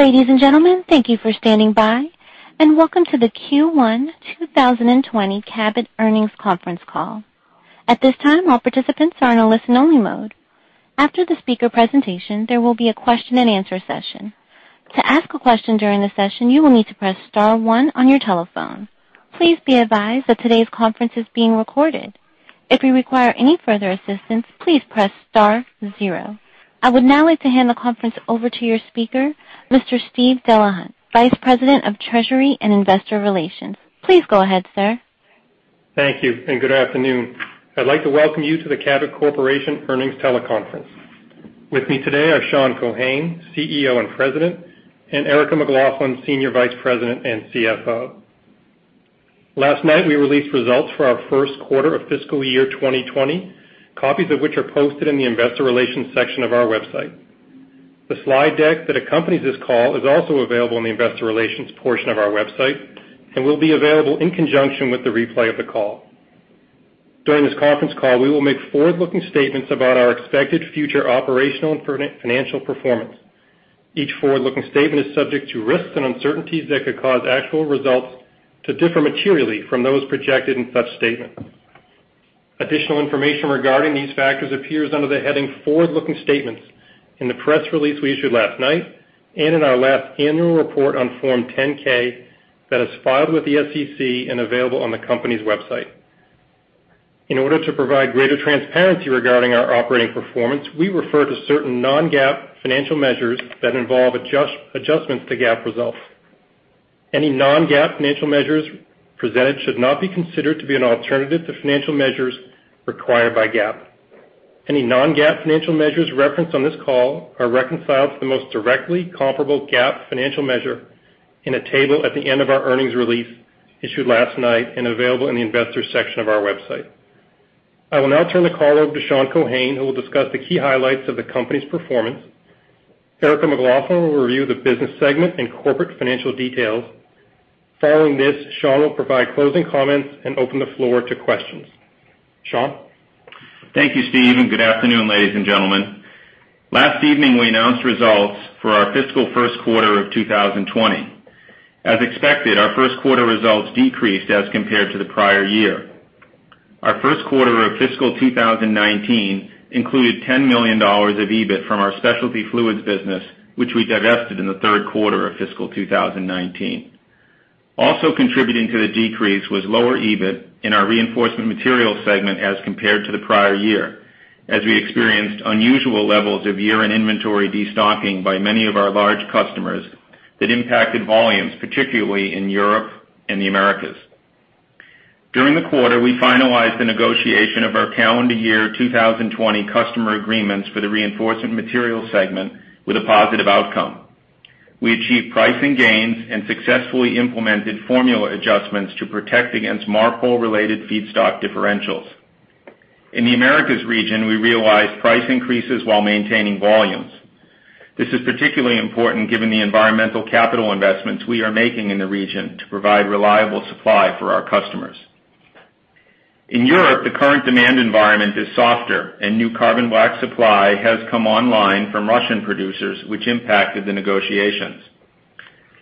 Ladies and gentlemen, thank you for standing by, and welcome to the Q1 2020 Cabot Earnings Conference Call. At this time, all participants are in a listen-only mode. After the speaker presentation, there will be a question and answer session. To ask a question during the session, you will need to press star one on your telephone. Please be advised that today's conference is being recorded. If you require any further assistance, please press star zero. I would now like to hand the conference over to your speaker, Mr. Steve Delahunt, Vice President of Treasury and Investor Relations. Please go ahead, sir. Thank you, and good afternoon. I'd like to welcome you to the Cabot Corporation Earnings Teleconference. With me today are Sean Keohane, CEO and President, and Erica McLaughlin, Senior Vice President and CFO. Last night, we released results for our first quarter of fiscal year 2020, copies of which are posted in the investor relations section of our website. The slide deck that accompanies this call is also available in the investor relations portion of our website and will be available in conjunction with the replay of the call. During this conference call, we will make forward-looking statements about our expected future operational and financial performance. Each forward-looking statement is subject to risks and uncertainties that could cause actual results to differ materially from those projected in such statements. Additional information regarding these factors appears under the heading Forward-Looking Statements in the press release we issued last night and in our last annual report on Form 10-K that is filed with the SEC and available on the company's website. In order to provide greater transparency regarding our operating performance, we refer to certain non-GAAP financial measures that involve adjustments to GAAP results. Any non-GAAP financial measures presented should not be considered to be an alternative to financial measures required by GAAP. Any non-GAAP financial measures referenced on this call are reconciled to the most directly comparable GAAP financial measure in a table at the end of our earnings release issued last night and available in the investors section of our website. I will now turn the call over to Sean Keohane, who will discuss the key highlights of the company's performance. Erica McLaughlin will review the business segment and corporate financial details. Following this, Sean will provide closing comments and open the floor to questions. Sean? Thank you, Steve, and good afternoon, ladies and gentlemen. Last evening, we announced results for our fiscal first quarter of 2020. As expected, our first quarter results decreased as compared to the prior year. Our first quarter of fiscal 2019 included $10 million of EBIT from our specialty fluids business, which we divested in the third quarter of fiscal 2019. Also contributing to the decrease was lower EBIT in our reinforcement materials segment as compared to the prior year, as we experienced unusual levels of year-end inventory destocking by many of our large customers that impacted volumes, particularly in Europe and the Americas. During the quarter, we finalized the negotiation of our calendar year 2020 customer agreements for the reinforcement materials segment with a positive outcome. We achieved pricing gains and successfully implemented formula adjustments to protect against MARPOL-related feedstock differentials. In the Americas region, we realized price increases while maintaining volumes. This is particularly important given the environmental capital investments we are making in the region to provide reliable supply for our customers. In Europe, the current demand environment is softer, and new carbon black supply has come online from Russian producers, which impacted the negotiations.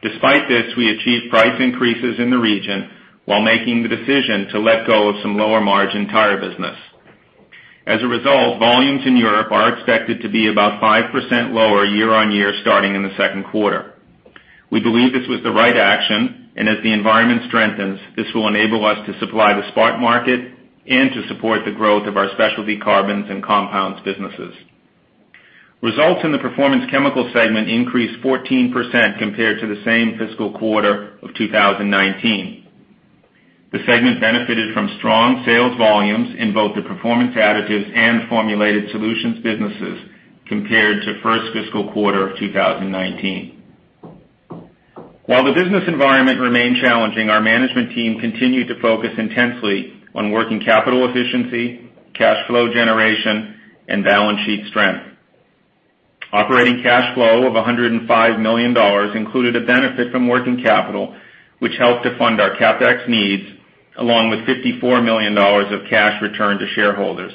Despite this, we achieved price increases in the region while making the decision to let go of some lower-margin tire business. As a result, volumes in Europe are expected to be about 5% lower year-on-year starting in the second quarter. We believe this was the right action, and as the environment strengthens, this will enable us to supply the spot market and to support the growth of our Specialty Carbons and compounds businesses. Results in the Performance Chemicals segment increased 14% compared to the same fiscal quarter of 2019. The segment benefited from strong sales volumes in both the Performance Additives and Formulated Solutions businesses compared to first fiscal quarter of 2019. While the business environment remained challenging, our management team continued to focus intensely on working capital efficiency, cash flow generation, and balance sheet strength. Operating cash flow of $105 million included a benefit from working capital, which helped to fund our CapEx needs, along with $54 million of cash returned to shareholders.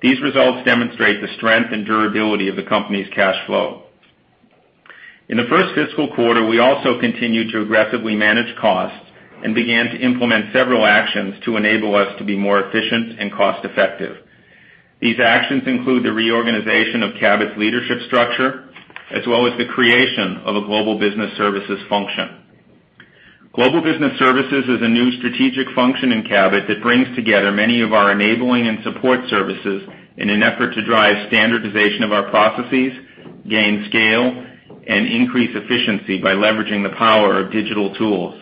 These results demonstrate the strength and durability of the company's cash flow. In the first fiscal quarter, we also continued to aggressively manage costs and began to implement several actions to enable us to be more efficient and cost-effective. These actions include the reorganization of Cabot's leadership structure, as well as the creation of a Global Business Services function. Global Business Services is a new strategic function in Cabot that brings together many of our enabling and support services in an effort to drive standardization of our processes, gain scale, and increase efficiency by leveraging the power of digital tools.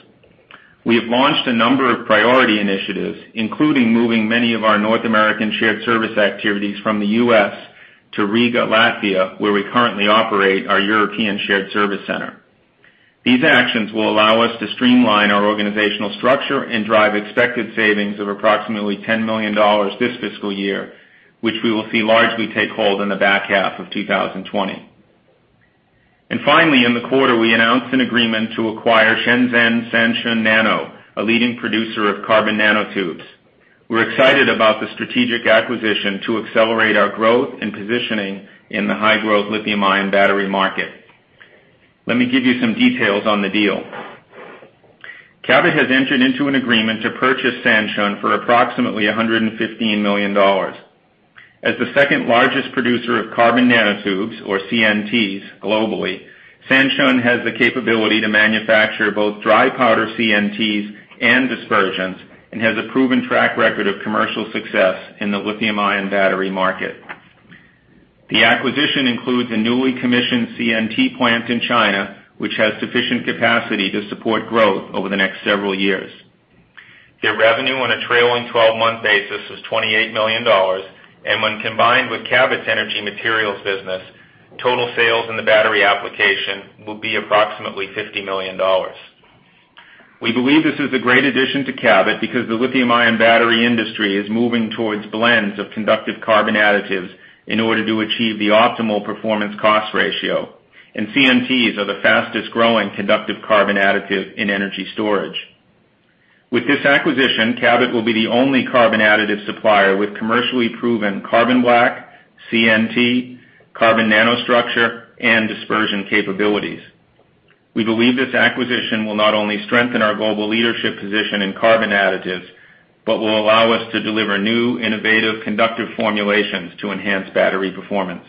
We have launched a number of priority initiatives, including moving many of our North American shared service activities from the U.S. to Riga, Latvia, where we currently operate our European Shared Service Center. These actions will allow us to streamline our organizational structure and drive expected savings of approximately $10 million this fiscal year, which we will see largely take hold in the back half of 2020. Finally, in the quarter, we announced an agreement to acquire Shenzhen Sanshun Nano, a leading producer of carbon nanotubes. We're excited about the strategic acquisition to accelerate our growth and positioning in the high-growth lithium-ion battery market. Let me give you some details on the deal. Cabot has entered into an agreement to purchase Sanshun for approximately $115 million. As the second-largest producer of carbon nanotubes, or CNTs, globally, Sanshun has the capability to manufacture both dry powder CNTs and dispersions, and has a proven track record of commercial success in the lithium-ion battery market. The acquisition includes a newly commissioned CNT plant in China, which has sufficient capacity to support growth over the next several years. Their revenue on a trailing 12-month basis was $28 million, and when combined with Cabot's energy materials business, total sales in the battery application will be approximately $50 million. We believe this is a great addition to Cabot because the lithium-ion battery industry is moving towards blends of conductive carbon additives in order to achieve the optimal performance cost ratio, and CNTs are the fastest-growing conductive carbon additive in energy storage. With this acquisition, Cabot will be the only carbon additive supplier with commercially proven carbon black, CNT, carbon nanostructure, and dispersion capabilities. We believe this acquisition will not only strengthen our global leadership position in carbon additives, but will allow us to deliver new, innovative, conductive formulations to enhance battery performance.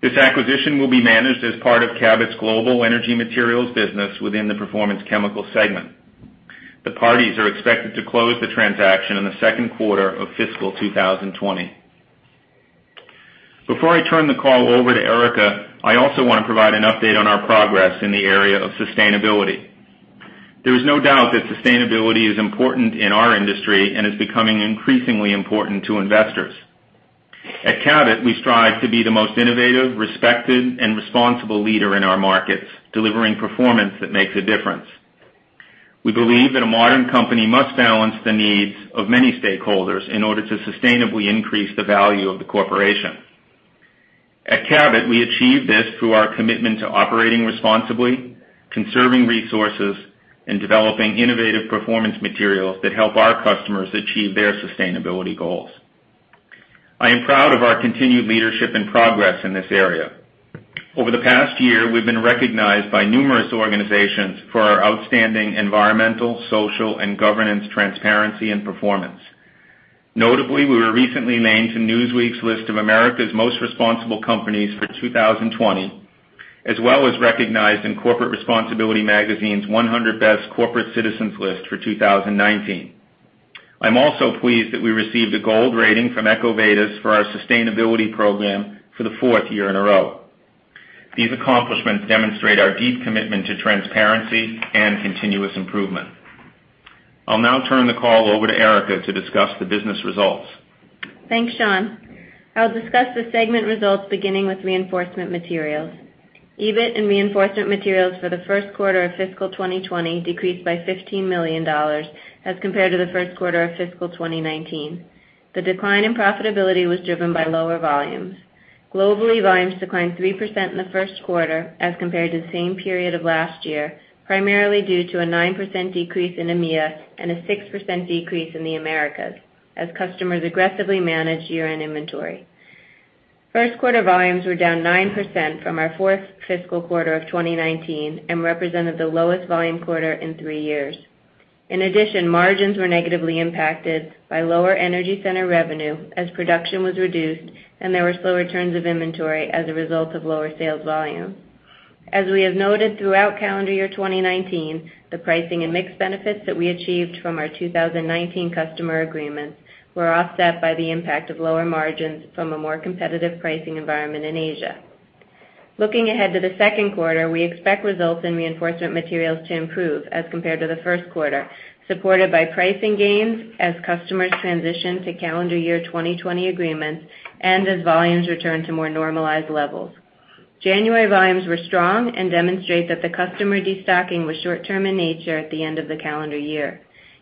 This acquisition will be managed as part of Cabot's global energy materials business within the Performance Chemicals segment. The parties are expected to close the transaction in the second quarter of fiscal 2020. Before I turn the call over to Erica, I also want to provide an update on our progress in the area of sustainability. There is no doubt that sustainability is important in our industry and is becoming increasingly important to investors. At Cabot, we strive to be the most innovative, respected, and responsible leader in our markets, delivering performance that makes a difference. We believe that a modern company must balance the needs of many stakeholders in order to sustainably increase the value of the corporation. At Cabot, we achieve this through our commitment to operating responsibly, conserving resources, and developing innovative performance materials that help our customers achieve their sustainability goals. I am proud of our continued leadership and progress in this area. Over the past year, we've been recognized by numerous organizations for our outstanding environmental, social, and governance transparency and performance. Notably, we were recently named to Newsweek's list of America's most responsible companies for 2020, as well as recognized in Corporate Responsibility Magazine's 100 Best Corporate Citizens list for 2019. I'm also pleased that we received a gold rating from EcoVadis for our sustainability program for the fourth year in a row. These accomplishments demonstrate our deep commitment to transparency and continuous improvement. I'll now turn the call over to Erica to discuss the business results. Thanks, Sean. I'll discuss the segment results beginning with reinforcement materials. EBIT and reinforcement materials for the first quarter of fiscal 2020 decreased by $15 million as compared to the first quarter of fiscal 2019. The decline in profitability was driven by lower volumes. Globally, volumes declined 3% in the first quarter as compared to the same period of last year, primarily due to a 9% decrease in EMEA and a 6% decrease in the Americas as customers aggressively managed year-end inventory. First quarter volumes were down 9% from our fourth fiscal quarter of 2019 and represented the lowest volume quarter in three years. In addition, margins were negatively impacted by lower energy center revenue as production was reduced, and there were slower turns of inventory as a result of lower sales volume. As we have noted throughout calendar year 2019, the pricing and mix benefits that we achieved from our 2019 customer agreements were offset by the impact of lower margins from a more competitive pricing environment in Asia. Looking ahead to the second quarter, we expect results in reinforcement materials to improve as compared to the first quarter, supported by pricing gains as customers transition to calendar year 2020 agreements and as volumes return to more normalized levels. January volumes were strong and demonstrate that the customer destocking was short-term in nature at the end of the calendar year.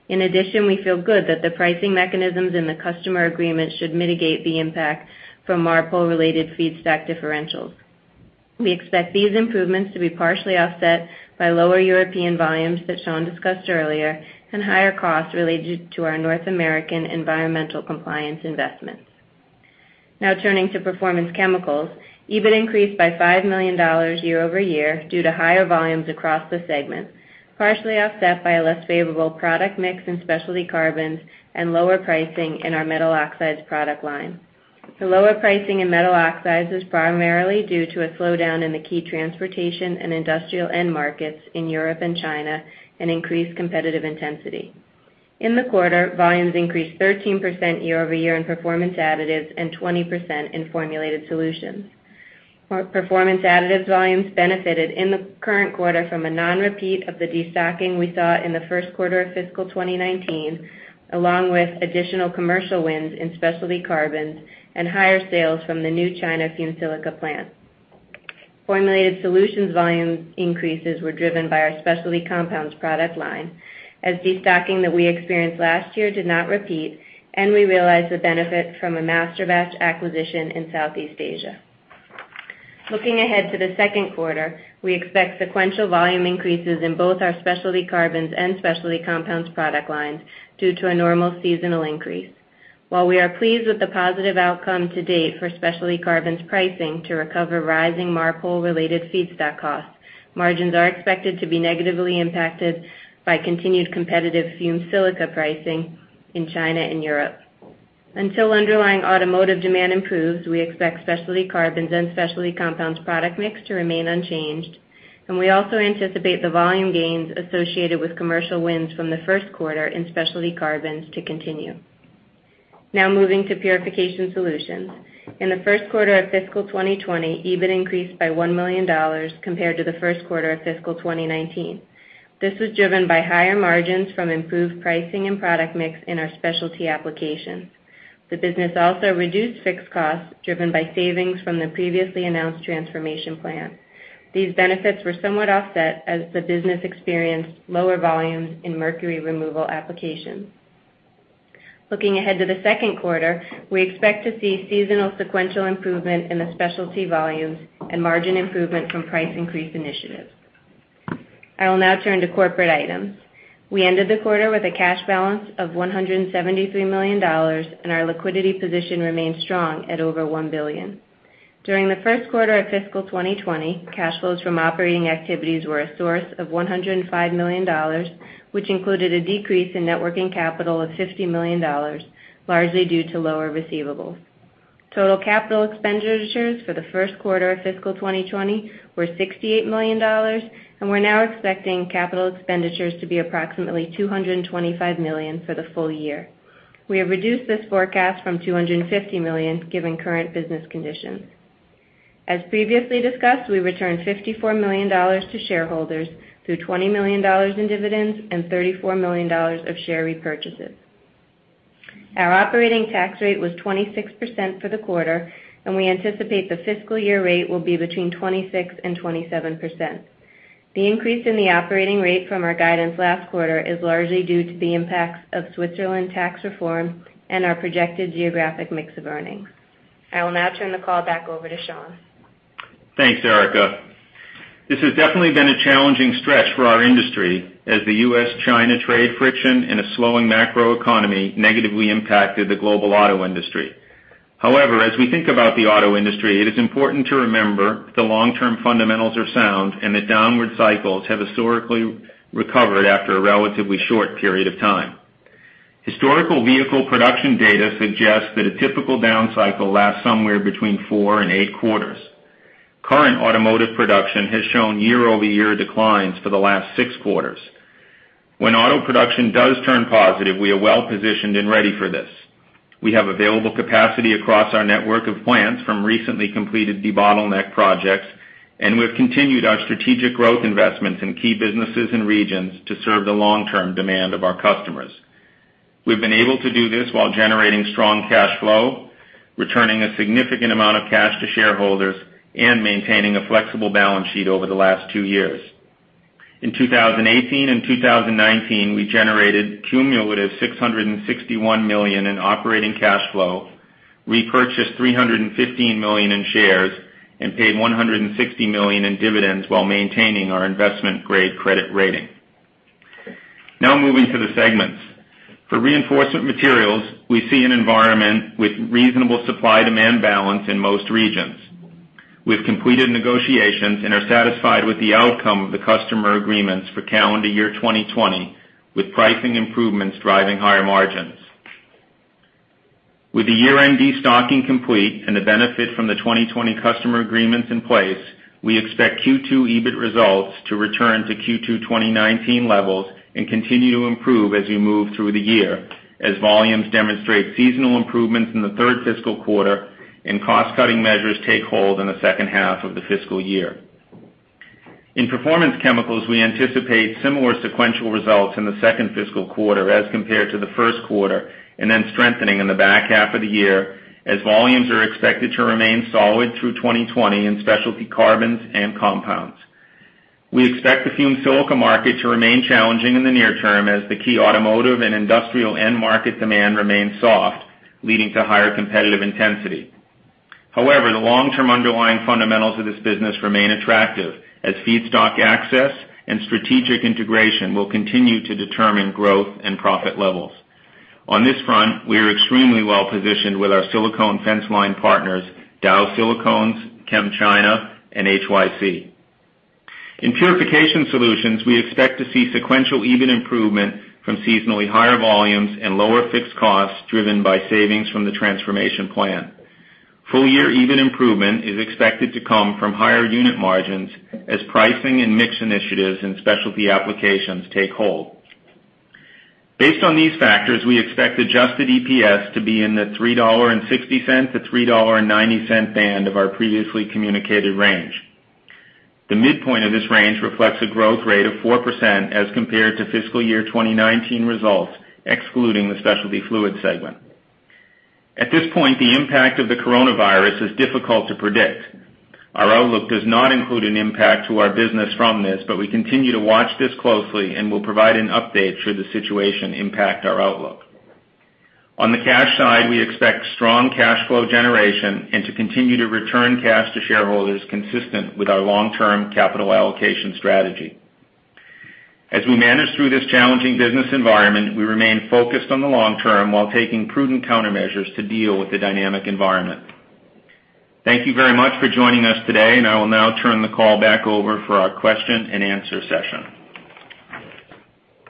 We feel good that the pricing mechanisms in the customer agreement should mitigate the impact from MARPOL-related feedstock differentials. We expect these improvements to be partially offset by lower European volumes that Sean discussed earlier and higher costs related to our North American environmental compliance investments. Turning to Performance Chemicals. EBIT increased by $5 million year-over-year due to higher volumes across the segment, partially offset by a less favorable product mix in specialty carbons and lower pricing in our metal oxides product line. The lower pricing in metal oxides is primarily due to a slowdown in the key transportation and industrial end markets in Europe and China and increased competitive intensity. In the quarter, volumes increased 13% year-over-year in Performance Additives and 20% in formulated solutions. Performance Additives volumes benefited in the current quarter from a non-repeat of the destocking we saw in the first quarter of fiscal 2019, along with additional commercial wins in specialty carbons and higher sales from the new China fumed silica plant. Formulated Solutions volume increases were driven by our Specialty Compounds product line, as destocking that we experienced last year did not repeat, and we realized the benefit from a masterbatch acquisition in Southeast Asia. Looking ahead to the second quarter, we expect sequential volume increases in both our Specialty Carbons and Specialty Compounds product lines due to a normal seasonal increase. While we are pleased with the positive outcome to date for Specialty Carbons pricing to recover rising MARPOL-related feedstock costs, margins are expected to be negatively impacted by continued competitive fumed silica pricing in China and Europe. Until underlying automotive demand improves, we expect Specialty Carbons and Specialty Compounds product mix to remain unchanged, and we also anticipate the volume gains associated with commercial wins from the first quarter in Specialty Carbons to continue. Moving to Purification Solutions. In the first quarter of fiscal 2020, EBIT increased by $1 million compared to the first quarter of fiscal 2019. This was driven by higher margins from improved pricing and product mix in our specialty applications. The business also reduced fixed costs, driven by savings from the previously announced transformation plan. These benefits were somewhat offset as the business experienced lower volumes in mercury removal applications. Looking ahead to the second quarter, we expect to see seasonal sequential improvement in the specialty volumes and margin improvement from price increase initiatives. I will now turn to corporate items. We ended the quarter with a cash balance of $173 million, and our liquidity position remains strong at over $1 billion. During the first quarter of fiscal 2020, cash flows from operating activities were a source of $105 million, which included a decrease in net working capital of $50 million, largely due to lower receivables. Total capital expenditures for the first quarter of fiscal 2020 were $68 million. We're now expecting capital expenditures to be approximately $225 million for the full year. We have reduced this forecast from $250 million, given current business conditions. As previously discussed, we returned $54 million to shareholders through $20 million in dividends and $34 million of share repurchases. Our operating tax rate was 26% for the quarter. We anticipate the fiscal year rate will be between 26% and 27%. The increase in the operating rate from our guidance last quarter is largely due to the impacts of Switzerland tax reform and our projected geographic mix of earnings. I will now turn the call back over to Sean. Thanks, Erica. However, this has definitely been a challenging stretch for our industry as the U.S.-China trade friction and a slowing macroeconomy negatively impacted the global auto industry. As we think about the auto industry, it is important to remember the long-term fundamentals are sound and that downward cycles have historically recovered after a relatively short period of time. Historical vehicle production data suggests that a typical down cycle lasts somewhere between four and eight quarters. Current automotive production has shown year-over-year declines for the last six quarters. When auto production does turn positive, we are well-positioned and ready for this. We have available capacity across our network of plants from recently completed debottleneck projects, and we've continued our strategic growth investments in key businesses and regions to serve the long-term demand of our customers. We've been able to do this while generating strong cash flow, returning a significant amount of cash to shareholders, and maintaining a flexible balance sheet over the last two years. In 2018 and 2019, we generated cumulative $661 million in operating cash flow, repurchased $315 million in shares, and paid $160 million in dividends while maintaining our investment-grade credit rating. Moving to the segments. For Reinforcement Materials, we see an environment with reasonable supply-demand balance in most regions. We've completed negotiations and are satisfied with the outcome of the customer agreements for calendar year 2020, with pricing improvements driving higher margins. With the year-end destocking complete and the benefit from the 2020 customer agreements in place, we expect Q2 EBIT results to return to Q2 2019 levels and continue to improve as we move through the year, as volumes demonstrate seasonal improvements in the third fiscal quarter and cost-cutting measures take hold in the second half of the fiscal year. In Performance Chemicals, we anticipate similar sequential results in the second fiscal quarter as compared to the first quarter, and then strengthening in the back half of the year, as volumes are expected to remain solid through 2020 in Specialty Carbons and Compounds. We expect the fumed silica market to remain challenging in the near term as the key automotive and industrial end market demand remains soft, leading to higher competitive intensity. The long-term underlying fundamentals of this business remain attractive as feedstock access and strategic integration will continue to determine growth and profit levels. On this front, we are extremely well positioned with our silicone fence line partners, Dow Silicones, ChemChina, and HYC. In Purification Solutions, we expect to see sequential EBIT improvement from seasonally higher volumes and lower fixed costs driven by savings from the transformation plan. Full-year EBIT improvement is expected to come from higher unit margins as pricing and mix initiatives in specialty applications take hold. Based on these factors, we expect adjusted EPS to be in the $3.60-$3.90 band of our previously communicated range. The midpoint of this range reflects a growth rate of 4% as compared to fiscal year 2019 results, excluding the Specialty Fluids segment. At this point, the impact of the coronavirus is difficult to predict. Our outlook does not include an impact to our business from this. We continue to watch this closely and will provide an update should the situation impact our outlook. On the cash side, we expect strong cash flow generation and to continue to return cash to shareholders consistent with our long-term capital allocation strategy. As we manage through this challenging business environment, we remain focused on the long term while taking prudent countermeasures to deal with the dynamic environment. Thank you very much for joining us today. I will now turn the call back over for our question and answer session.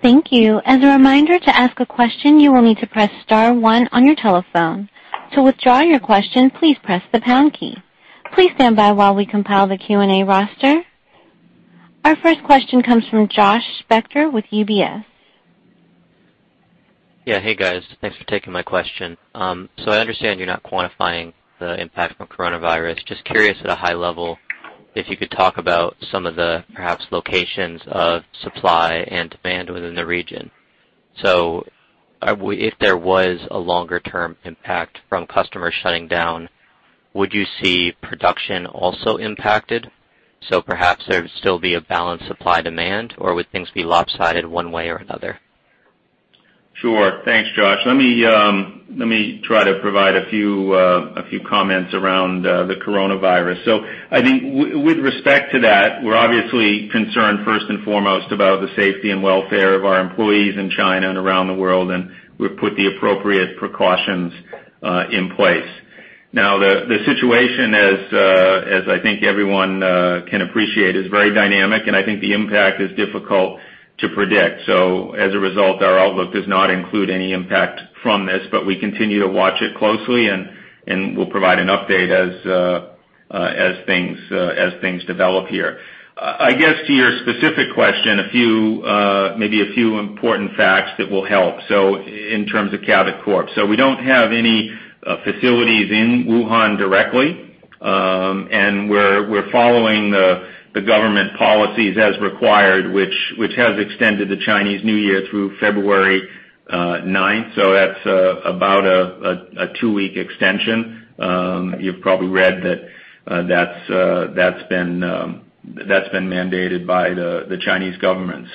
Thank you. As a reminder, to ask a question, you will need to press star one on your telephone. To withdraw your question, please press the pound key. Please stand by while we compile the Q&A roster. Our first question comes from Josh Spector with UBS. Yeah. Hey, guys. Thanks for taking my question. I understand you're not quantifying the impact from coronavirus. Just curious at a high level, if you could talk about some of the perhaps locations of supply and demand within the region. If there was a longer-term impact from customers shutting down, would you see production also impacted? Perhaps there would still be a balance supply-demand, or would things be lopsided one way or another? Sure. Thanks, Josh. Let me try to provide a few comments around the coronavirus. I think with respect to that, we're obviously concerned first and foremost about the safety and welfare of our employees in China and around the world, and we've put the appropriate precautions in place. The situation, as I think everyone can appreciate, is very dynamic, and I think the impact is difficult to predict. As a result, our outlook does not include any impact from this, but we continue to watch it closely, and we'll provide an update as things develop here. I guess, to your specific question, maybe a few important facts that will help in terms of Cabot Corporation. We don't have any facilities in Wuhan directly. We're following the government policies as required, which has extended the Chinese New Year through February ninth. That's about a two-week extension. You've probably read that that's been mandated by the Chinese government.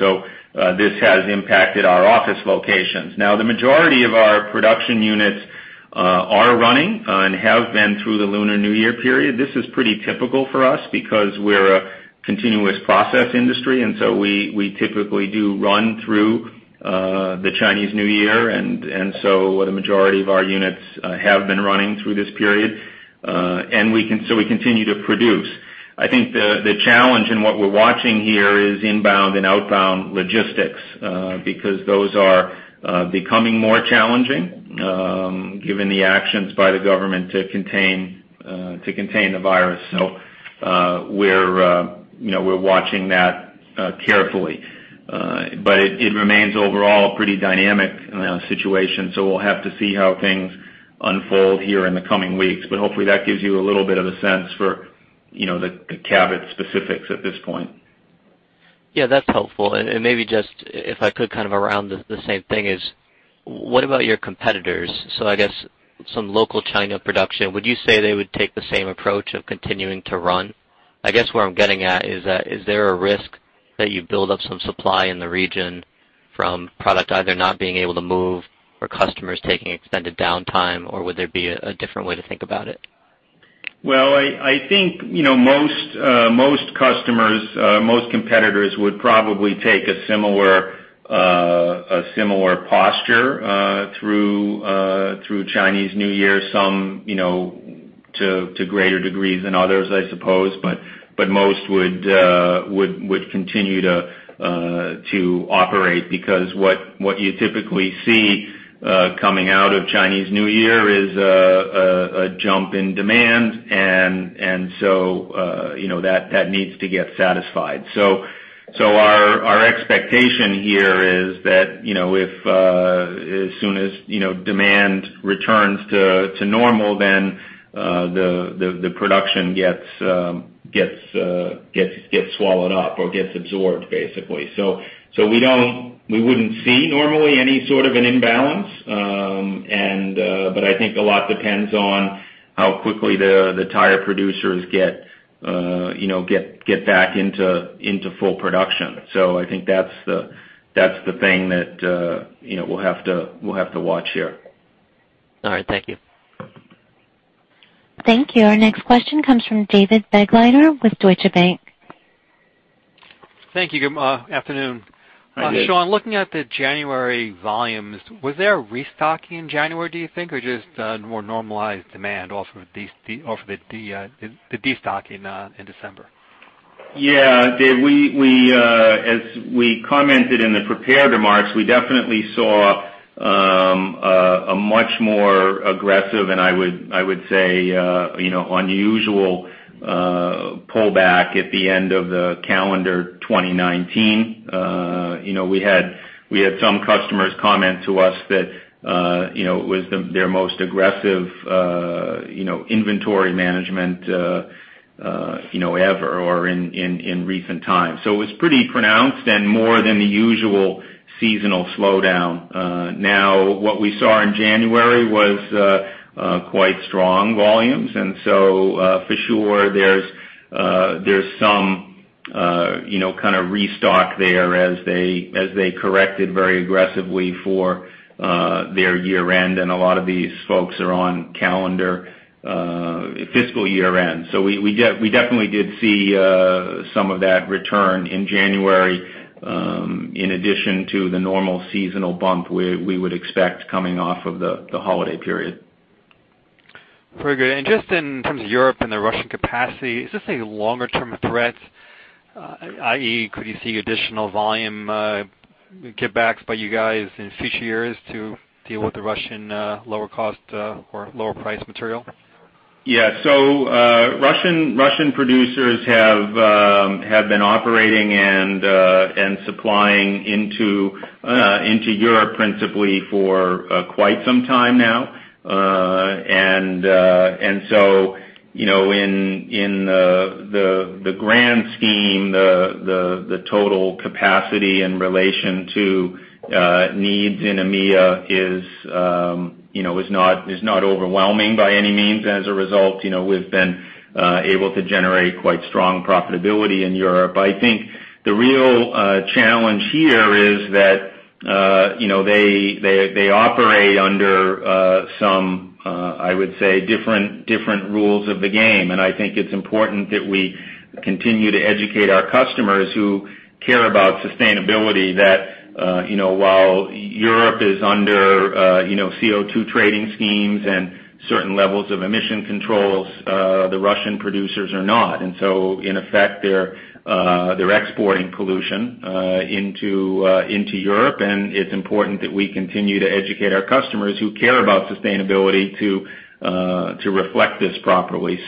This has impacted our office locations. Now, the majority of our production units are running and have been through the Lunar New Year period. This is pretty typical for us because we're a continuous process industry, we typically do run through the Chinese New Year. The majority of our units have been running through this period. We continue to produce. I think the challenge and what we're watching here is inbound and outbound logistics because those are becoming more challenging given the actions by the government to contain the virus. We're watching that carefully. It remains overall a pretty dynamic situation, so we'll have to see how things unfold here in the coming weeks. Hopefully, that gives you a little bit of a sense for the Cabot specifics at this point. Yeah, that's helpful. Maybe just if I could, kind of around the same thing is, what about your competitors? I guess some local China production. Would you say they would take the same approach of continuing to run? I guess where I'm getting at is that, is there a risk that you build up some supply in the region from product either not being able to move or customers taking extended downtime, or would there be a different way to think about it? I think most competitors would probably take a similar posture through Chinese New Year, some to greater degree than others, I suppose. Most would continue to operate because what you typically see coming out of Chinese New Year is a jump in demand, and so that needs to get satisfied. Our expectation here is that as soon as demand returns to normal, then the production gets swallowed up or gets absorbed basically. We wouldn't see normally any sort of an imbalance. I think a lot depends on how quickly the tire producers get back into full production. I think that's the thing that we'll have to watch here. All right. Thank you. Thank you. Our next question comes from David Begleiter with Deutsche Bank. Thank you. Good afternoon. Hi, Dave. Sean, looking at the January volumes, was there a restocking in January, do you think, or just a more normalized demand off of the destocking in December? Yeah. Dave, as we commented in the prepared remarks, we definitely saw a much more aggressive and I would say unusual pullback at the end of the calendar 2019. We had some customers comment to us that it was their most aggressive inventory management ever or in recent times. It was pretty pronounced and more than the usual seasonal slowdown. Now, what we saw in January was quite strong volumes, for sure there's some kind of restock there as they corrected very aggressively for their year-end, a lot of these folks are on calendar fiscal year-end. We definitely did see some of that return in January, in addition to the normal seasonal bump we would expect coming off of the holiday period. Very good. Just in terms of Europe and the Russian capacity, is this a longer-term threat? I.e., could you see additional volume get backs by you guys in future years to deal with the Russian lower cost or lower price material? Yeah. Russian producers have been operating and supplying into Europe principally for quite some time now. In the grand scheme, the total capacity in relation to needs in EMEA is not overwhelming by any means. As a result, we've been able to generate quite strong profitability in Europe. I think the real challenge here is that they operate under some, I would say, different rules of the game. I think it's important that we continue to educate our customers who care about sustainability that while Europe is under CO2 trading schemes and certain levels of emission controls, the Russian producers are not. In effect, they're exporting pollution into Europe, and it's important that we continue to educate our customers who care about sustainability to reflect this properly.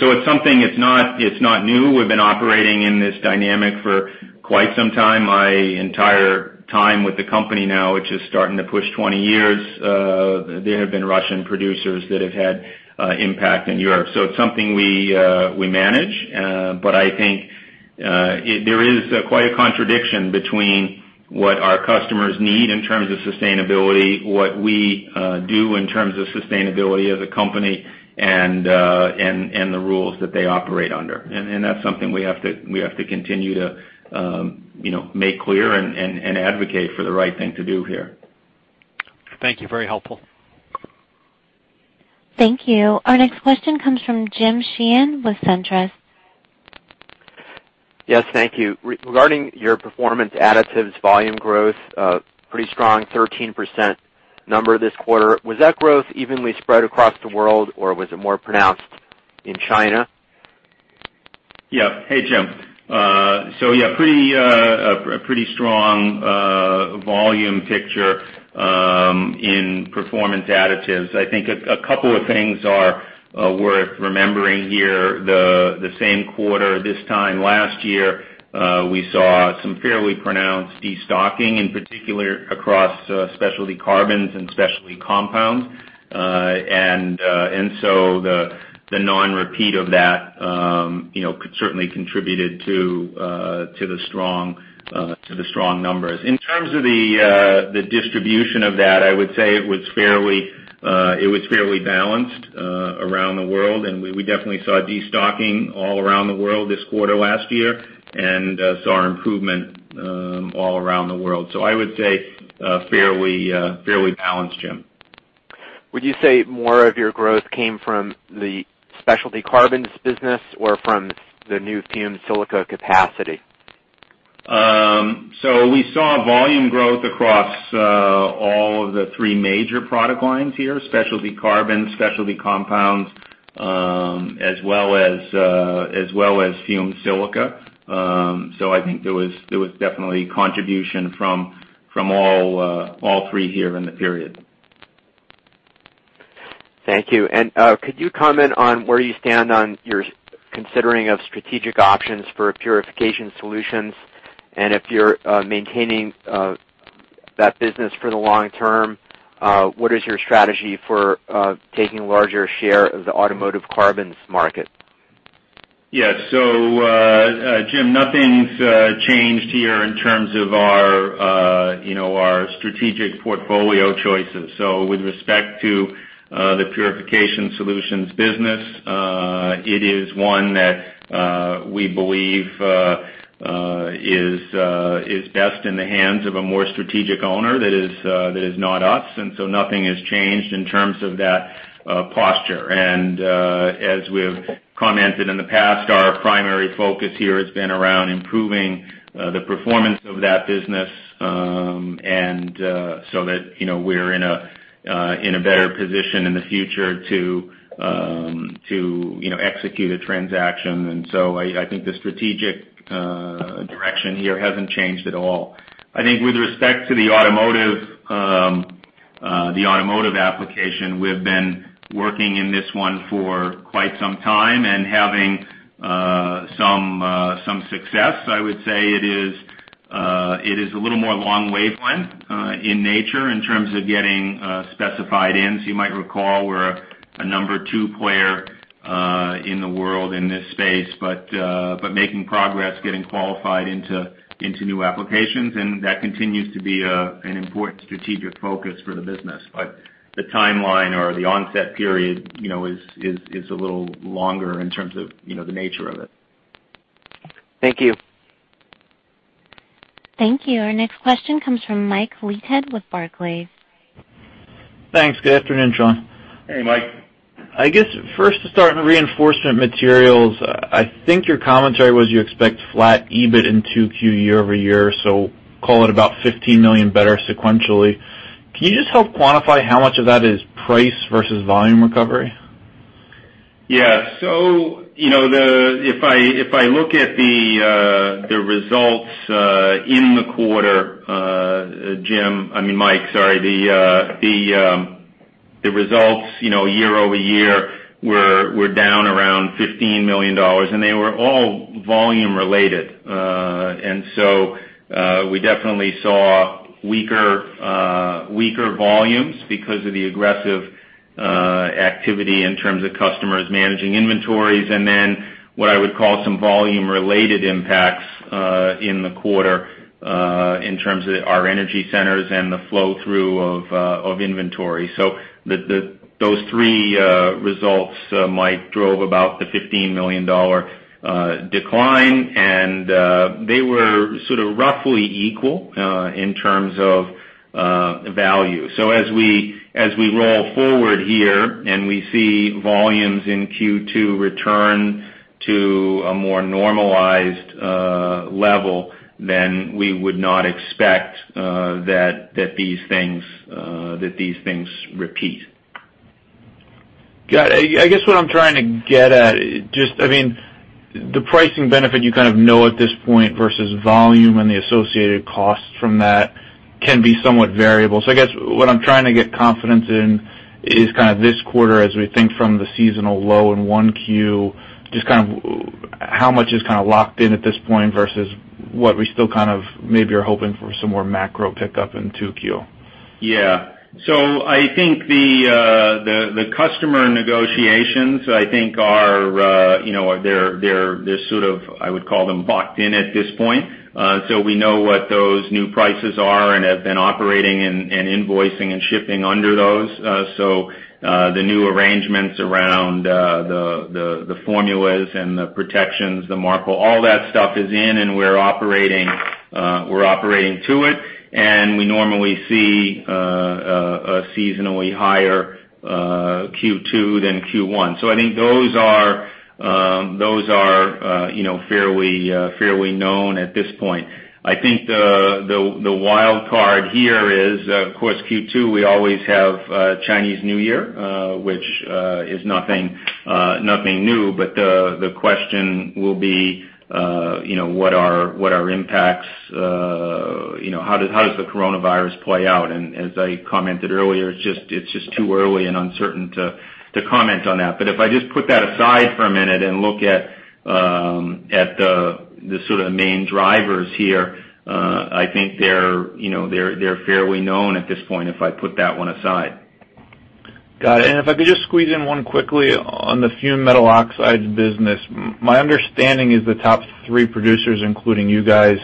It's something. It's not new. We've been operating in this dynamic for quite some time. My entire time with the company now, which is starting to push 20 years, there have been Russian producers that have had impact in Europe. It's something we manage, but I think there is quite a contradiction between what our customers need in terms of sustainability, what we do in terms of sustainability as a company, and the rules that they operate under. That's something we have to continue to make clear and advocate for the right thing to do here. Thank you. Very helpful. Thank you. Our next question comes from Jim Sheehan with SunTrust. Yes, thank you. Regarding your Performance Additives volume growth, pretty strong 13% number this quarter. Was that growth evenly spread across the world, or was it more pronounced in China? Yeah. Hey, Jim. Yeah, a pretty strong volume picture in performance additives. I think a couple of things are worth remembering here. The same quarter this time last year, we saw some fairly pronounced destocking, in particular across specialty carbons and specialty compounds. The non-repeat of that certainly contributed to the strong numbers. In terms of the distribution of that, I would say it was fairly balanced around the world, and we definitely saw destocking all around the world this quarter last year and saw improvement all around the world. I would say fairly balanced, Jim. Would you say more of your growth came from the specialty carbons business or from the new fumed silica capacity? We saw volume growth across all of the three major product lines here, specialty carbon, specialty compounds, as well as fumed silica. I think there was definitely contribution from all three here in the period. Thank you. Could you comment on where you stand on your considering of strategic options for Purification Solutions, and if you're maintaining that business for the long term, what is your strategy for taking a larger share of the automotive carbons market? Jim, nothing's changed here in terms of our strategic portfolio choices. With respect to the Purification Solutions business, it is one that we believe is best in the hands of a more strategic owner that is not us. Nothing has changed in terms of that posture. As we've commented in the past, our primary focus here has been around improving the performance of that business, so that we're in a better position in the future to execute a transaction. I think the strategic direction here hasn't changed at all. I think with respect to the automotive application, we've been working in this one for quite some time and having some success. I would say it is a little more long wavelength in nature in terms of getting specified in. You might recall we're a number two player in the world in this space, but making progress, getting qualified into new applications, and that continues to be an important strategic focus for the business. The timeline or the onset period is a little longer in terms of the nature of it. Thank you. Thank you. Our next question comes from Mike Leithead with Barclays. Thanks. Good afternoon, Sean. Hey, Mike. I guess first to start in reinforcement materials, I think your commentary was you expect flat EBIT in 2Q year-over-year, so call it about $15 million better sequentially. Can you just help quantify how much of that is price versus volume recovery? If I look at the results in the quarter, Jim, I mean, Mike, sorry. The results year-over-year were down around $15 million, they were all volume related. We definitely saw weaker volumes because of the aggressive activity in terms of customers managing inventories and what I would call some volume-related impacts in the quarter in terms of our energy centers and the flow-through of inventory. Those three results, Mike, drove about the $15 million decline, they were sort of roughly equal in terms of value. As we roll forward here and we see volumes in Q2 return to a more normalized level, we would not expect that these things repeat. Got it. I guess what I'm trying to get at, just the pricing benefit you kind of know at this point versus volume and the associated costs from that can be somewhat variable. I guess what I'm trying to get confidence in is kind of this quarter, as we think from the seasonal low in 1Q, just how much is locked in at this point versus what we still kind of maybe are hoping for some more macro pickup in 2Q. I think the customer negotiations, I think they're sort of, I would call them, locked in at this point. We know what those new prices are and have been operating and invoicing and shipping under those. The new arrangements around the formulas and the protections, the markup, all that stuff is in and we're operating to it. We normally see a seasonally higher Q2 than Q1. I think those are fairly known at this point. I think the wild card here is, of course, Q2, we always have Chinese New Year, which is nothing new. The question will be what are impacts, how does the coronavirus play out? As I commented earlier, it's just too early and uncertain to comment on that. If I just put that aside for a minute and look at the sort of main drivers here, I think they're fairly known at this point if I put that one aside. Got it. If I could just squeeze in one quickly on the fumed metal oxides business. My understanding is the top three producers, including you guys,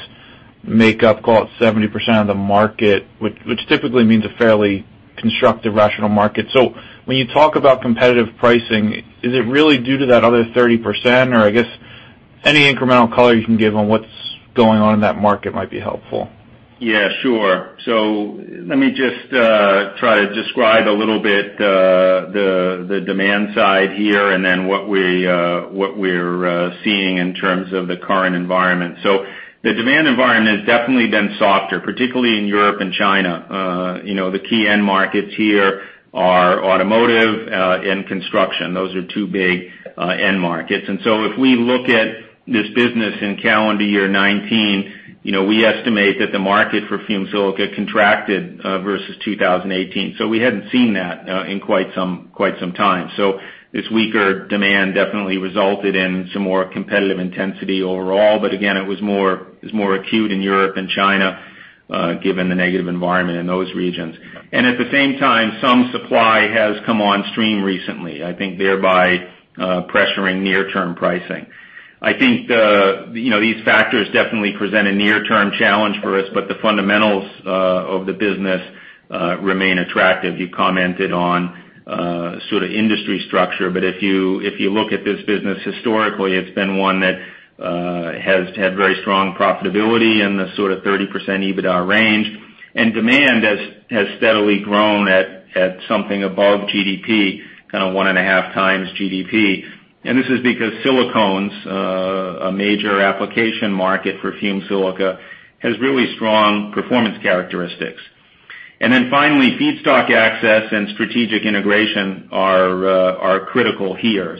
make up, call it, 70% of the market, which typically means a fairly constructive, rational market. When you talk about competitive pricing, is it really due to that other 30%? I guess any incremental color you can give on what's going on in that market might be helpful. Yeah, sure. Let me just try to describe a little bit the demand side here and then what we're seeing in terms of the current environment. The demand environment has definitely been softer, particularly in Europe and China. The key end markets here are automotive and construction. Those are two big end markets. If we look at this business in calendar year 2019, we estimate that the market for fumed silica contracted versus 2018. We hadn't seen that in quite some time. This weaker demand definitely resulted in some more competitive intensity overall. Again, it was more acute in Europe and China given the negative environment in those regions. At the same time, some supply has come on stream recently, I think thereby pressuring near-term pricing. I think these factors definitely present a near-term challenge for us, but the fundamentals of the business remain attractive. You commented on sort of industry structure, but if you look at this business historically, it's been one that has had very strong profitability in the sort of 30% EBITDA range. Demand has steadily grown at something above GDP, kind of 1.5x GDP. This is because silicones, a major application market for fumed silica, has really strong performance characteristics. Finally, feedstock access and strategic integration are critical here.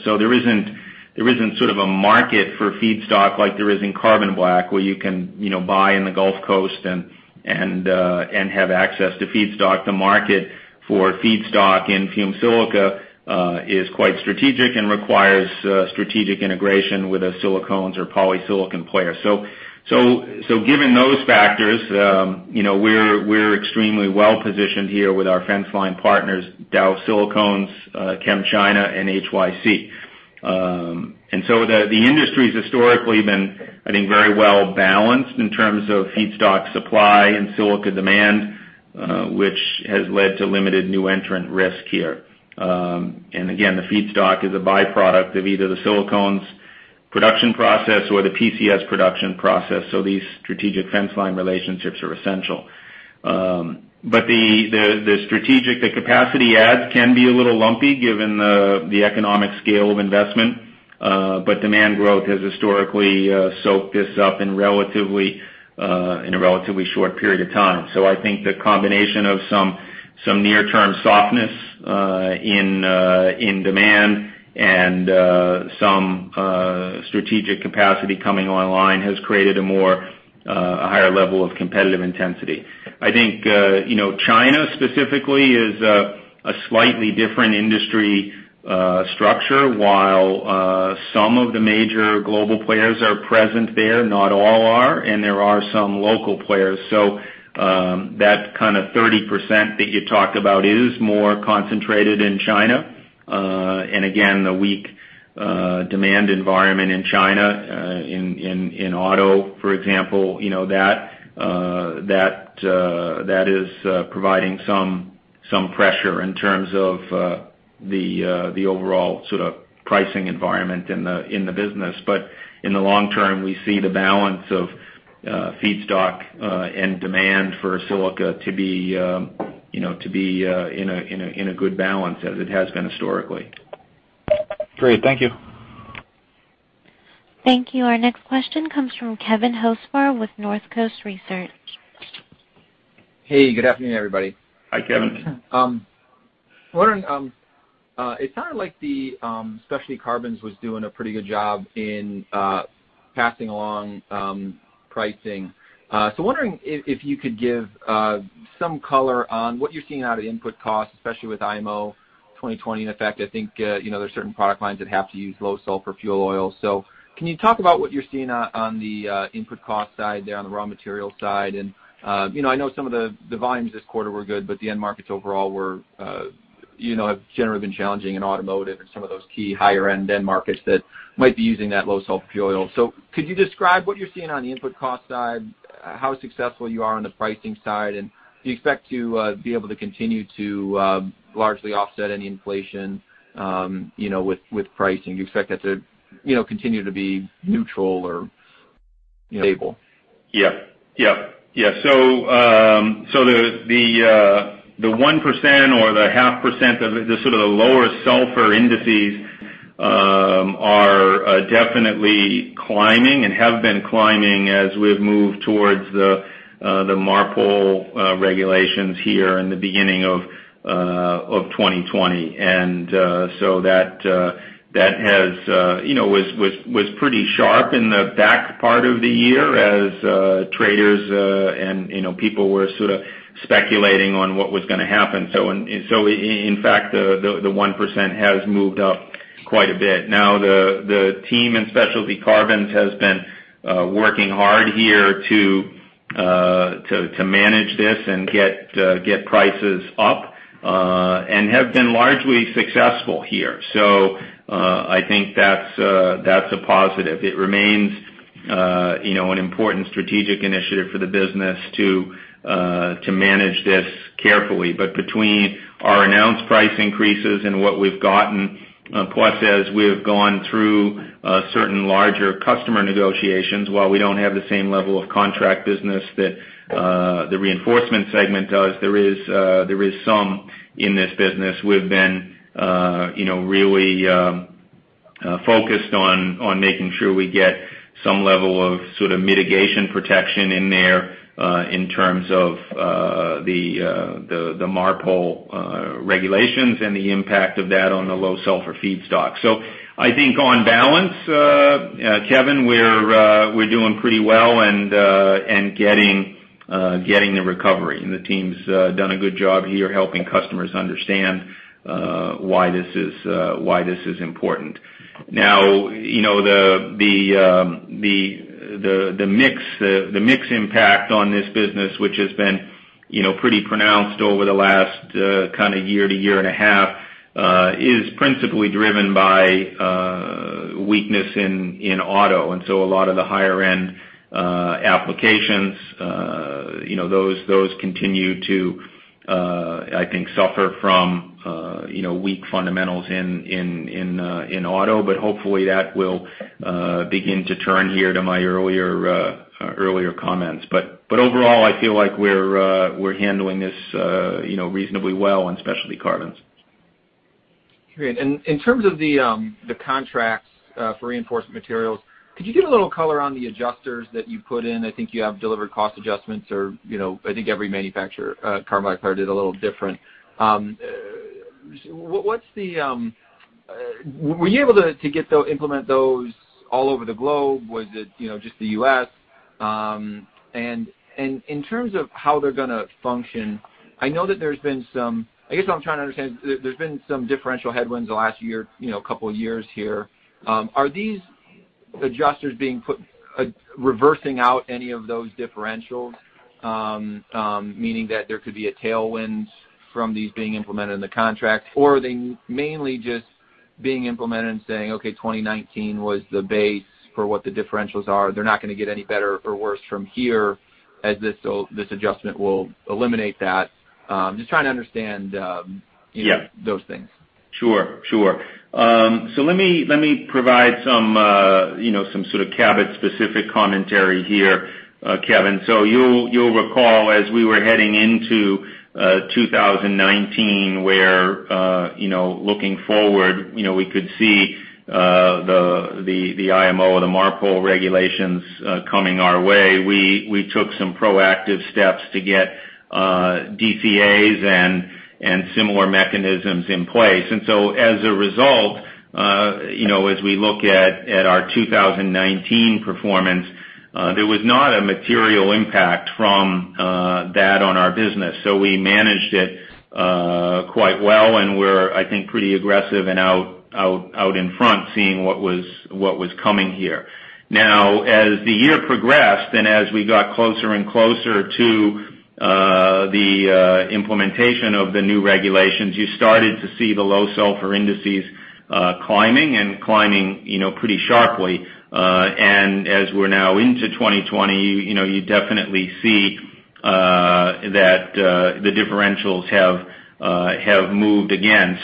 There isn't sort of a market for feedstock like there is in carbon black, where you can buy in the Gulf Coast and have access to feedstock. The market for feedstock in fumed silica is quite strategic and requires strategic integration with a silicones or polysilicon player. Given those factors, we're extremely well positioned here with our fence line partners, Dow Silicones, ChemChina and HYC. The industry's historically been, I think, very well balanced in terms of feedstock supply and silica demand, which has led to limited new entrant risk here. Again, the feedstock is a byproduct of either the silicones production process or the PCS production process, so these strategic fence line relationships are essential. The capacity adds can be a little lumpy given the economic scale of investment. Demand growth has historically soaked this up in a relatively short period of time. I think the combination of some near-term softness in demand and some strategic capacity coming online has created a more higher level of competitive intensity. I think China specifically is a slightly different industry structure. While some of the major global players are present there, not all are, and there are some local players. That 30% that you talked about is more concentrated in China. Again, the weak demand environment in China, in auto, for example, that is providing some pressure in terms of the overall pricing environment in the business. In the long term, we see the balance of feedstock and demand for silica to be in a good balance as it has been historically. Great. Thank you. Thank you. Our next question comes from Kevin Hocevar with Northcoast Research. Hey, good afternoon, everybody. Hi, Kevin. I'm wondering, it sounded like the specialty carbons was doing a pretty good job in passing along pricing. Wondering if you could give some color on what you're seeing out of input costs, especially with IMO 2020, in effect. I think there's certain product lines that have to use low sulfur fuel oil. Can you talk about what you're seeing on the input cost side there, on the raw material side? I know some of the volumes this quarter were good, but the end markets overall have generally been challenging in automotive and some of those key higher-end end markets that might be using that low sulfur fuel oil. Could you describe what you're seeing on the input cost side, how successful you are on the pricing side, and do you expect to be able to continue to largely offset any inflation with pricing? Do you expect that to continue to be neutral or stable? The 1% or the 0.5% of the sort of lower sulfur indices are definitely climbing and have been climbing as we've moved towards the MARPOL regulations here in the beginning of 2020. That was pretty sharp in the back part of the year as traders and people were sort of speculating on what was going to happen. In fact, the 1% has moved up quite a bit. The team in specialty carbons has been working hard here to manage this and get prices up, and have been largely successful here. I think that's a positive. It remains an important strategic initiative for the business to manage this carefully. Between our announced price increases and what we've gotten, plus as we have gone through certain larger customer negotiations, while we don't have the same level of contract business that the reinforcement segment does, there is some in this business. We've been really focused on making sure we get some level of sort of mitigation protection in there, in terms of the MARPOL regulations and the impact of that on the low sulfur feedstock. I think on balance, Kevin, we're doing pretty well and getting the recovery. The team's done a good job here helping customers understand why this is important. The mix impact on this business, which has been pretty pronounced over the last kind of year to year and a half, is principally driven by weakness in auto. A lot of the higher end applications, those continue to, I think, suffer from weak fundamentals in auto. Hopefully that will begin to turn here to my earlier comments. Overall, I feel like we're handling this reasonably well in specialty carbons. Great. In terms of the contracts for reinforcement materials, could you give a little color on the adjusters that you put in? I think you have delivered cost adjustments or I think every manufacturer, Cabot probably did a little different. Were you able to implement those all over the globe? Was it just the U.S.? In terms of how they're going to function, I guess what I'm trying to understand, there's been some differential headwinds the last couple of years here. Are these adjusters reversing out any of those differentials? Meaning that there could be a tailwind from these being implemented in the contract, or are they mainly just being implemented and saying, okay, 2019 was the base for what the differentials are? They're not going to get any better or worse from here as this adjustment will eliminate that. Just trying to understand. Yeah Those things. Sure. Let me provide some sort of Cabot specific commentary here, Kevin. You'll recall as we were heading into 2019 where looking forward, we could see the IMO or the MARPOL regulations coming our way. We took some proactive steps to get DCAs and similar mechanisms in place. As a result, as we look at our 2019 performance, there was not a material impact from that on our business. We managed it quite well and were, I think, pretty aggressive and out in front seeing what was coming here. As the year progressed and as we got closer and closer to the implementation of the new regulations, you started to see the low sulfur indices climbing and climbing pretty sharply. As we're now into 2020, you definitely see that the differentials have moved again.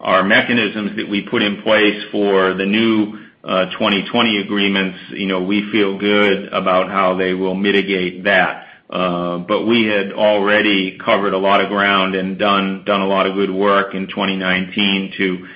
Our mechanisms that we put in place for the new 2020 agreements, we feel good about how they will mitigate that. We had already covered a lot of ground and done a lot of good work in 2019 to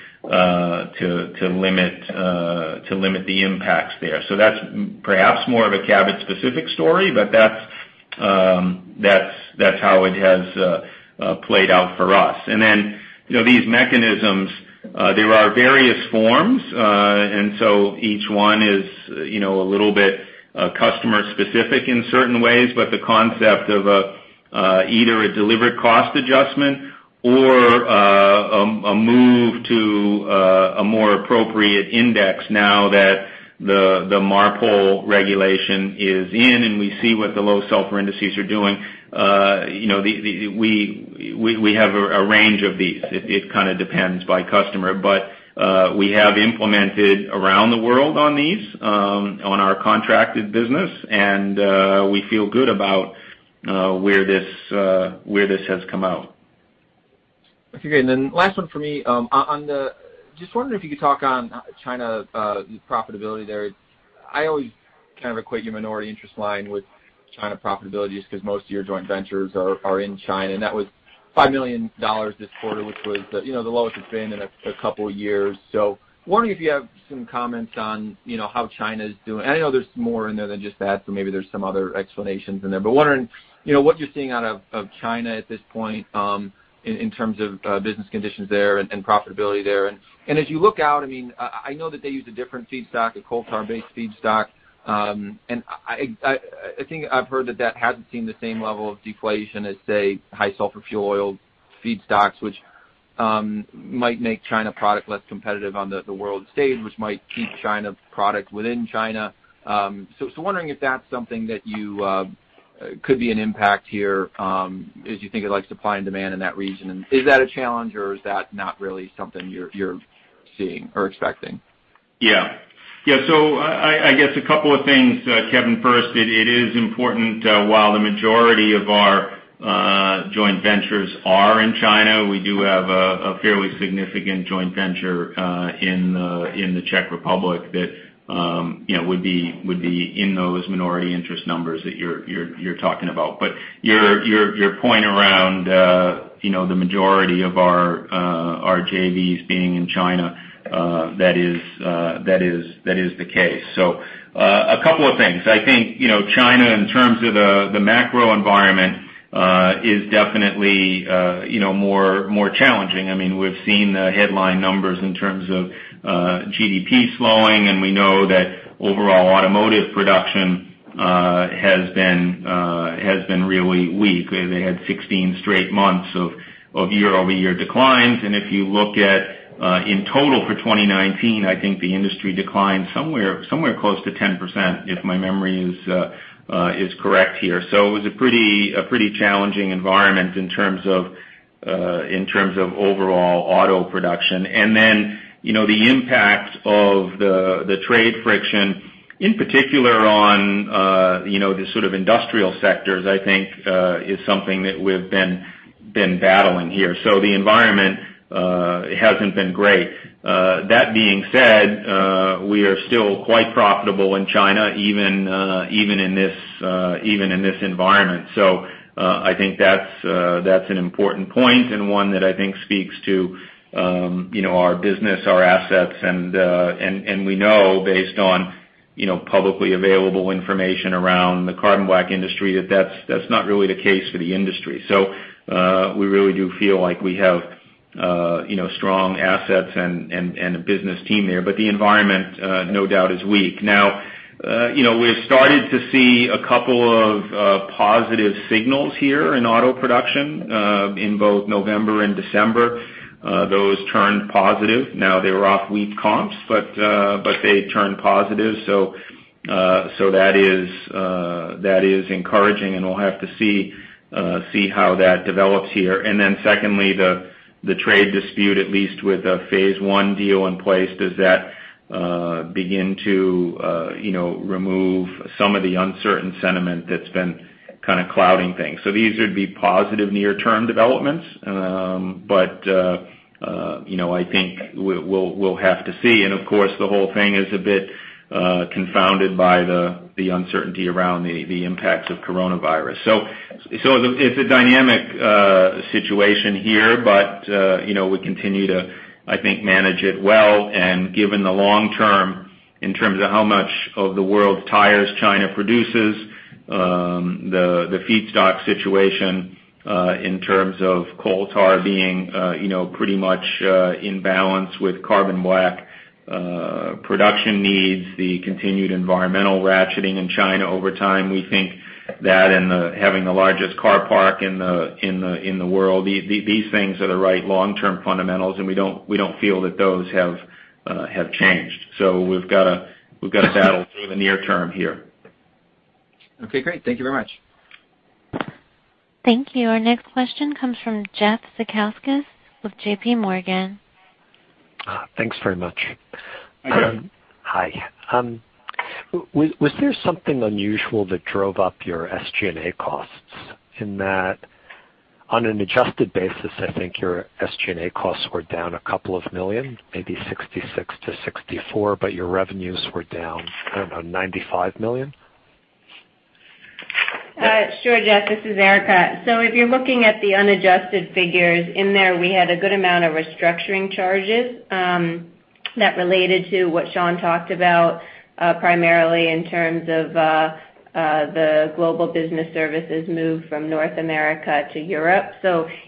limit the impacts there. That's perhaps more of a Cabot specific story, but that's how it has played out for us. These mechanisms, there are various forms. Each one is a little bit customer specific in certain ways. The concept of either a delivered cost adjustment or a move to a more appropriate index now that the MARPOL regulation is in, and we see what the low sulfur indices are doing. We have a range of these. It kind of depends by customer. We have implemented around the world on these on our contracted business, and we feel good about where this has come out. Okay. Last one for me. Just wondering if you could talk on China profitability there. I always kind of equate your minority interest line with China profitability just because most of your joint ventures are in China, and that was $5 million this quarter, which was the lowest it's been in a couple of years. Wondering if you have some comments on how China is doing. I know there's more in there than just that, so maybe there's some other explanations in there. Wondering what you're seeing out of China at this point in terms of business conditions there and profitability there. As you look out, I know that they use a different feedstock, a coal tar-based feedstock. I think I've heard that that hasn't seen the same level of deflation as, say, high sulfur fuel oil feedstocks, which might make China product less competitive on the world stage, which might keep China product within China. I'm wondering if that's something that could be an impact here as you think of supply and demand in that region. Is that a challenge or is that not really something you're seeing or expecting? Yeah. I guess a couple of things, Kevin. First, it is important while the majority of our joint ventures are in China, we do have a fairly significant joint venture in the Czech Republic that would be in those minority interest numbers that you're talking about. Your point around the majority of our JVs being in China, that is the case. A couple of things. I think China, in terms of the macro environment, is definitely more challenging. We've seen the headline numbers in terms of GDP slowing, and we know that overall automotive production has been really weak. They had 16 straight months of year-over-year declines. If you look at in total for 2019, I think the industry declined somewhere close to 10%, if my memory is correct here. It was a pretty challenging environment in terms of overall auto production. The impact of the trade friction, in particular on the sort of industrial sectors, I think is something that we've been battling here. The environment hasn't been great. That being said, we are still quite profitable in China, even in this environment. I think that's an important point and one that I think speaks to our business, our assets. We know, based on publicly available information around the carbon black industry, that that's not really the case for the industry. We really do feel like we have strong assets and a business team there. The environment, no doubt, is weak. We've started to see a couple of positive signals here in auto production in both November and December. Those turned positive. They were off weak comps, but they turned positive. That is encouraging, and we'll have to see how that develops here. Then secondly, the trade dispute, at least with a phase one deal in place, does that begin to remove some of the uncertain sentiment that's been clouding things. I think we'll have to see. Of course, the whole thing is a bit confounded by the uncertainty around the impacts of coronavirus. It's a dynamic situation here, but we continue to, I think, manage it well, given the long-term, in terms of how much of the world's tires China produces, the feedstock situation in terms of coal tar being pretty much in balance with carbon black production needs, the continued environmental ratcheting in China over time. We think that having the largest carbon black in the world, these things are the right long-term fundamentals, and we don't feel that those have changed. We've got to battle through the near term here. Okay, great. Thank you very much. Thank you. Our next question comes from Jeff Zekauskas with JPMorgan. Thanks very much. Hi, Jeff. Hi. Was there something unusual that drove up your SG&A costs in that on an adjusted basis, I think your SG&A costs were down a couple of million, maybe $66 million-$64 million, but your revenues were down, I don't know, $95 million? Sure, Jeff, this is Erica. If you're looking at the unadjusted figures in there, we had a good amount of restructuring charges that related to what Sean talked about primarily in terms of the Global Business Services move from North America to Europe.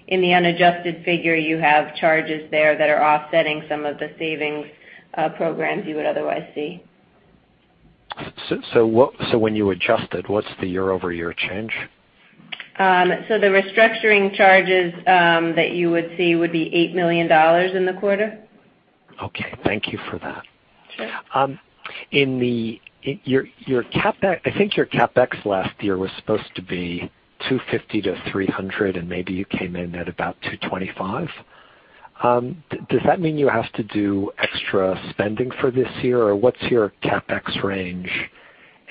In the unadjusted figure, you have charges there that are offsetting some of the savings programs you would otherwise see. When you adjust it, what's the year-over-year change? The restructuring charges that you would see would be $8 million in the quarter. Okay. Thank you for that. Sure. I think your CapEx last year was supposed to be $250-$300, and maybe you came in at about $225. Does that mean you have to do extra spending for this year, or what's your CapEx range,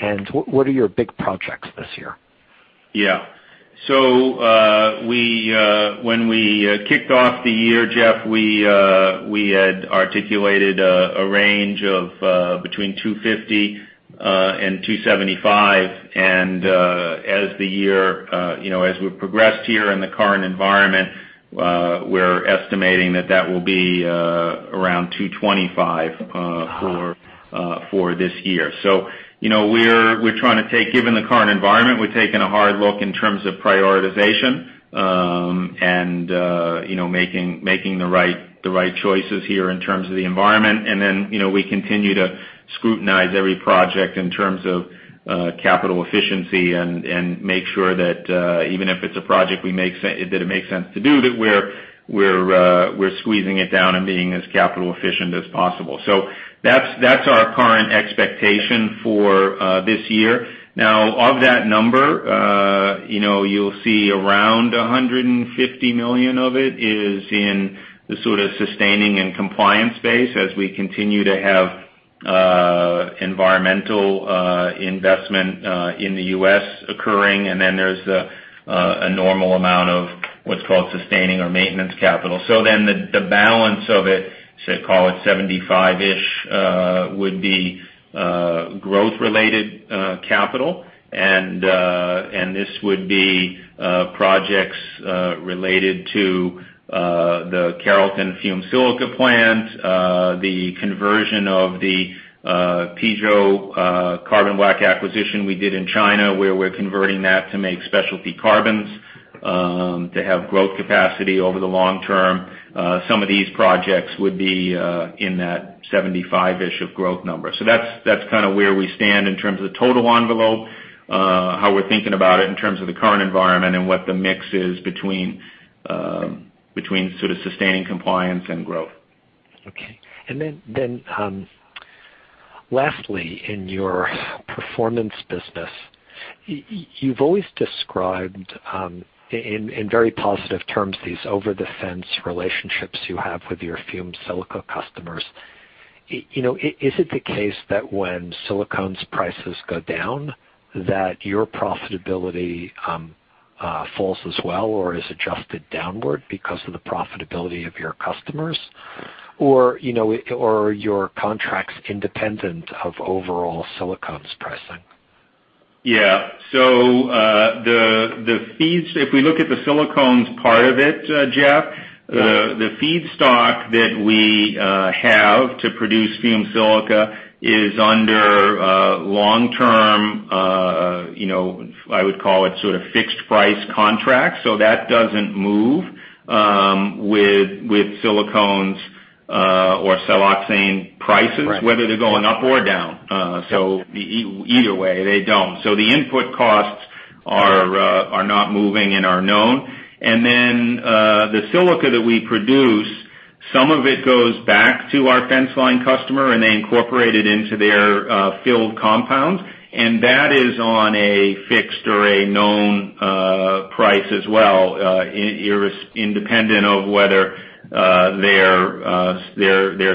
and what are your big projects this year? When we kicked off the year, Jeff, we had articulated a range of between $250 million and $275 million. As we've progressed here in the current environment, we're estimating that that will be around $225 million for this year. Given the current environment, we're taking a hard look in terms of prioritization and making the right choices here in terms of the environment. Then we continue to scrutinize every project in terms of capital efficiency and make sure that even if it's a project that it makes sense to do, that we're squeezing it down and being as capital efficient as possible. That's our current expectation for this year. Of that number you'll see around $150 million of it is in the sustaining and compliance space as we continue to have environmental investment in the U.S. occurring. There's a normal amount of what's called sustaining or maintenance capital. The balance of it, call it 75-ish would be growth related capital. This would be projects related to the Carrollton fumed silica plant, the conversion of the Pizhou carbon black acquisition we did in China, where we're converting that to make specialty carbons to have growth capacity over the long term. Some of these projects would be in that 75-ish of growth number. That's where we stand in terms of the total envelope, how we're thinking about it in terms of the current environment and what the mix is between sustaining compliance and growth. Okay. Lastly, in your performance business, you've always described in very positive terms these over-the-fence relationships you have with your fumed silica customers. Is it the case that when silicones prices go down, that your profitability falls as well or is adjusted downward because of the profitability of your customers? Are your contracts independent of overall silicones pricing? If we look at the silicones part of it, Jeff, the feedstock that we have to produce fumed silica is under long-term I would call it fixed price contracts. That doesn't move with silicones or siloxane prices whether they're going up or down. Either way, they don't. The input costs are not moving and are known. The silica that we produce, some of it goes back to our fence line customer, and they incorporate it into their filled compounds. That is on a fixed or a known price as well, independent of whether their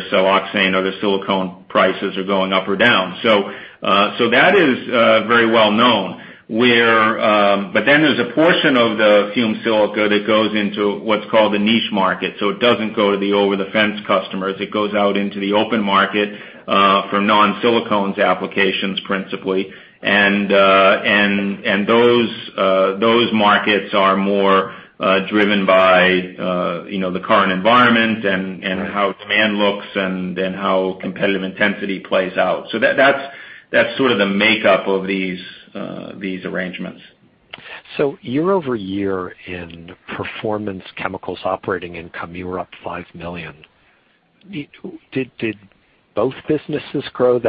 siloxane or their silicone prices are going up or down. That is very well known. There's a portion of the fumed silica that goes into what's called the niche market. It doesn't go to the over-the-fence customers. It goes out into the open market for non-silicones applications, principally. Those markets are more driven by the current environment and how demand looks and how competitive intensity plays out. That's sort of the makeup of these arrangements. Year-over-year in Performance Chemicals operating income, you were up $5 million. Did both businesses grow?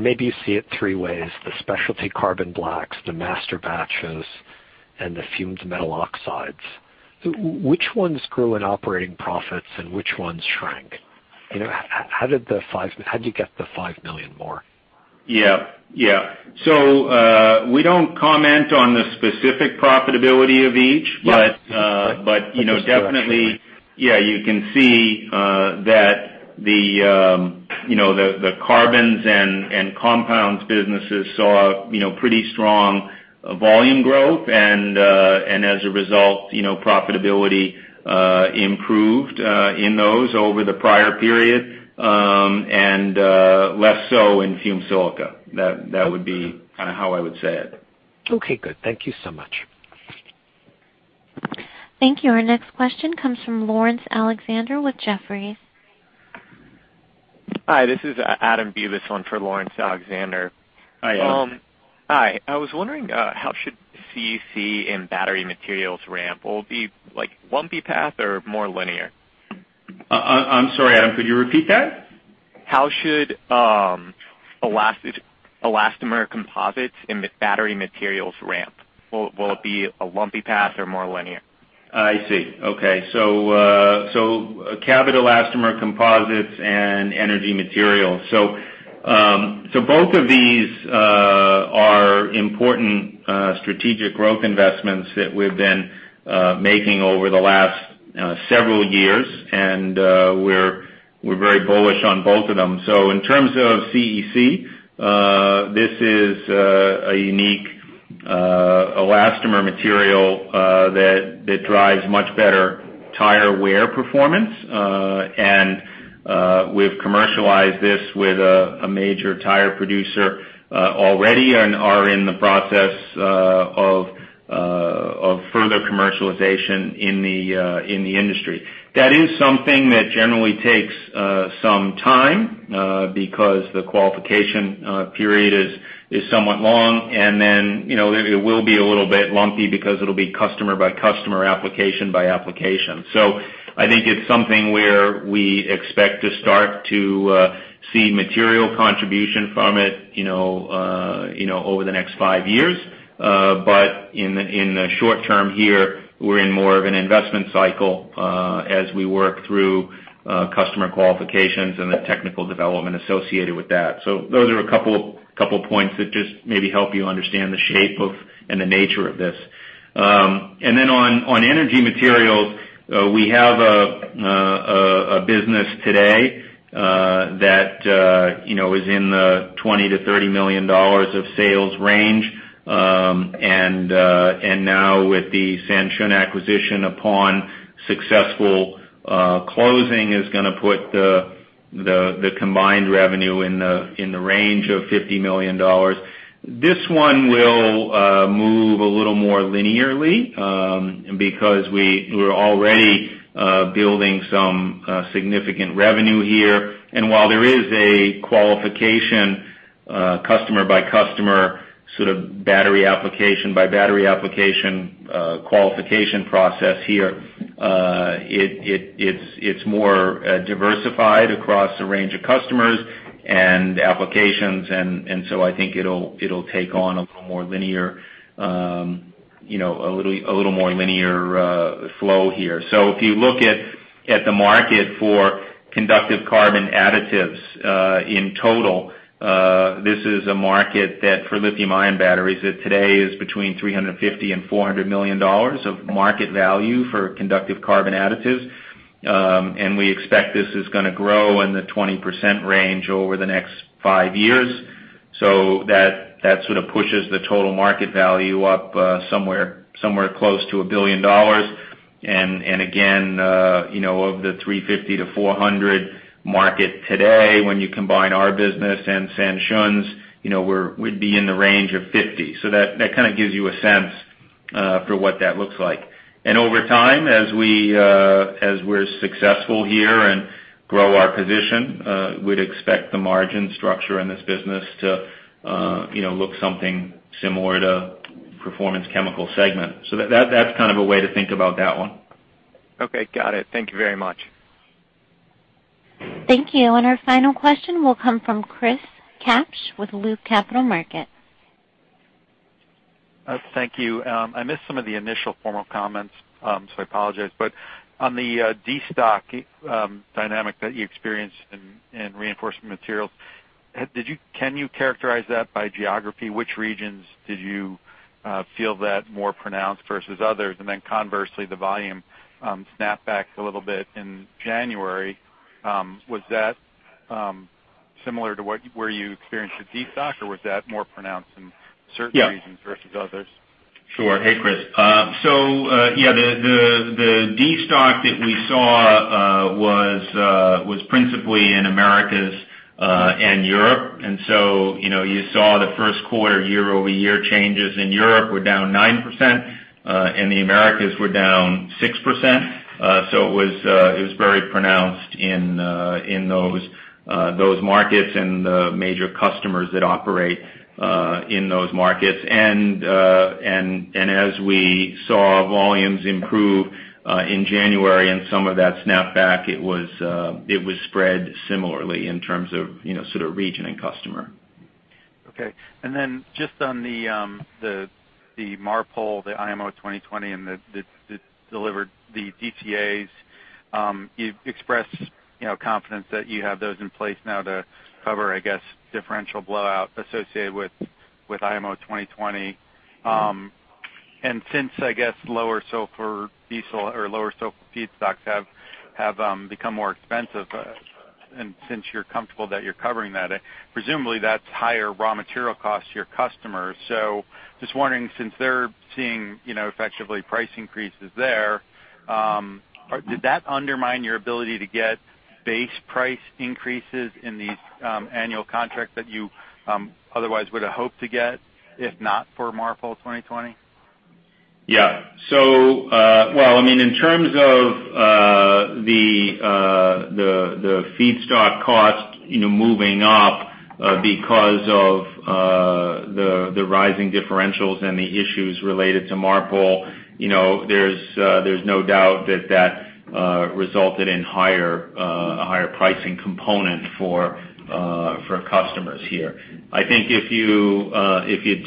Maybe you see it three ways, the specialty carbon blacks, the masterbatches, and the fumed metal oxides. Which ones grew in operating profits and which ones shrank? How'd you get the $5 million more? We don't comment on the specific profitability of each. Yes. Definitely- Just directionally You can see that the carbons and compounds businesses saw pretty strong volume growth. As a result, profitability improved in those over the prior period. Less so in fumed silica. That would be how I would say it. Okay, good. Thank you so much. Thank you. Our next question comes from Laurence Alexander with Jefferies. Hi, this is Adam Bubes on for Laurence Alexander. Hi, Adam. Hi. I was wondering how should CEC and battery materials ramp? Will it be lumpy path or more linear? I'm sorry, Adam, could you repeat that? How should elastomer composites and battery materials ramp? Will it be a lumpy path or more linear? I see. Okay. Cabot Elastomer Composites and energy materials. Both of these are important strategic growth investments that we've been making over the last several years, and we're very bullish on both of them. In terms of CEC, this is a unique elastomer material that drives much better tire wear performance. We've commercialized this with a major tire producer already and are in the process of further commercialization in the industry. That is something that generally takes some time because the qualification period is somewhat long, and then it will be a little bit lumpy because it'll be customer by customer, application by application. I think it's something where we expect to start to see material contribution from it over the next five years. In the short term here, we're in more of an investment cycle as we work through customer qualifications and the technical development associated with that. Those are a couple points that just maybe help you understand the shape of, and the nature of this. On energy materials, we have a business today that is in the $20 million-$30 million of sales range. Now with the Sanshun acquisition upon successful closing, is going to put the combined revenue in the range of $50 million. This one will move a little more linearly because we're already building some significant revenue here. While there is a qualification customer by customer, sort of battery application by battery application qualification process here, it's more diversified across a range of customers and applications, and so I think it'll take on a little more linear flow here. If you look at the market for conductive carbon additives in total, this is a market that for lithium-ion batteries, that today is between $350 million and $400 million of market value for conductive carbon additives. We expect this is going to grow in the 20% range over the next five years. That sort of pushes the total market value up somewhere close to $1 billion. Again, of the $350 million to $400 million market today, when you combine our business and Sanshun's, we'd be in the range of $50 million. That kind of gives you a sense for what that looks like. Over time, as we're successful here and grow our position, we'd expect the margin structure in this business to look something similar to Performance Chemicals segment. That's kind of a way to think about that one. Okay, got it. Thank you very much. Thank you. Our final question will come from Chris Kapsch with Loop Capital Markets. Thank you. I missed some of the initial formal comments, so I apologize, but on the destock dynamic that you experienced in reinforcement materials, can you characterize that by geography? Which regions did you feel that more pronounced versus others? Conversely, the volume snapped back a little bit in January. Was that similar to where you experienced the destock, or was that more pronounced in certain regions versus others? Sure. Hey, Chris. Yeah, the destock that we saw was principally in Americas and Europe. You saw the first quarter year-over-year changes in Europe were down 9%, and the Americas were down 6%. It was very pronounced in those markets and the major customers that operate in those markets. As we saw volumes improve in January and some of that snapback, it was spread similarly in terms of region and customer. Okay. Just on the MARPOL, the IMO 2020, and the delivered, the DCAs, you've expressed confidence that you have those in place now to cover, I guess, differential blowout associated with IMO 2020. Since, I guess, lower sulfur diesel or lower sulfur feedstocks have become more expensive, and since you're comfortable that you're covering that, presumably that's higher raw material cost to your customers. Just wondering, since they're seeing effectively price increases there, did that undermine your ability to get base price increases in the annual contracts that you otherwise would have hoped to get, if not for MARPOL 2020? Yeah. Well, in terms of the feedstock cost moving up because of the rising differentials and the issues related to MARPOL, there's no doubt that that resulted in a higher pricing component for customers here. I think if you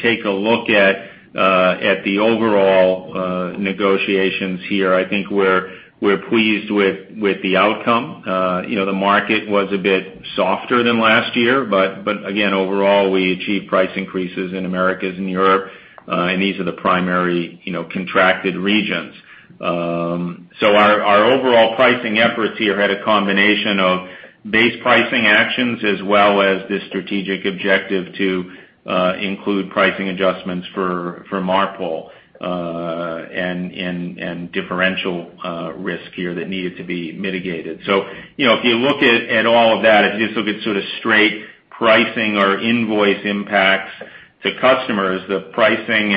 take a look at the overall negotiations here, I think we're pleased with the outcome. The market was a bit softer than last year, again, overall, we achieved price increases in Americas and Europe. These are the primary contracted regions. Our overall pricing efforts here had a combination of base pricing actions as well as the strategic objective to include pricing adjustments for MARPOL, and differential risk here that needed to be mitigated. If you look at all of that, if you just look at sort of straight pricing or invoice impacts to customers, the pricing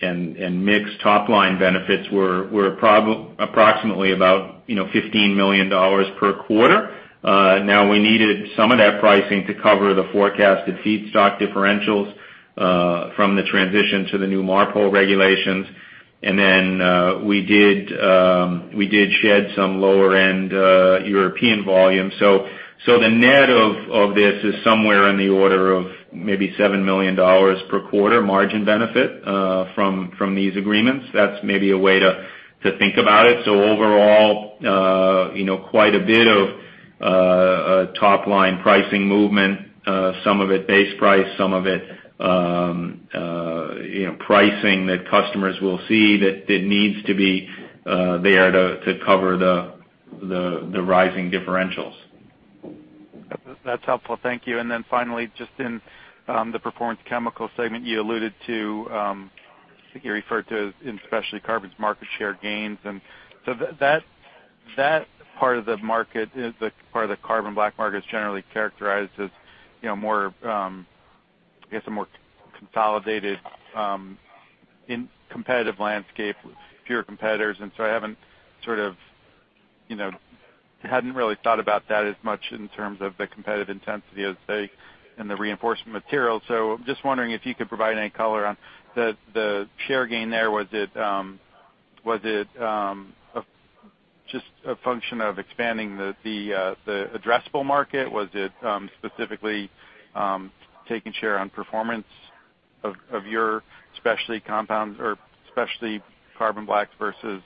and mixed top-line benefits were approximately about $15 million per quarter. We needed some of that pricing to cover the forecasted feedstock differentials from the transition to the new MARPOL regulations. Then we did shed some lower-end European volume. The net of this is somewhere in the order of maybe $7 million per quarter margin benefit from these agreements. That's maybe a way to think about it. Overall quite a bit of top-line pricing movement, some of it base price, some of it pricing that customers will see that needs to be there to cover the rising differentials. That's helpful. Thank you. Finally, just in the Performance Chemicals segment, you alluded to, I think you referred to specialty carbons market share gains. That part of the carbon black market is generally characterized as I guess, a more consolidated and competitive landscape, fewer competitors. I hadn't really thought about that as much in terms of the competitive intensity, as say, in the reinforcement material. Just wondering if you could provide any color on the share gain there. Was it just a function of expanding the addressable market? Was it specifically taking a share on performance of your specialty compounds or specialty carbon blacks versus